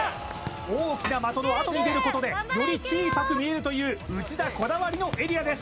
大きな的のあとに出ることでより小さく見えるという内田こだわりのエリアです